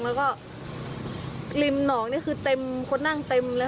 แล้วก็ริมหนองนี่คือเต็มคนนั่งเต็มเลย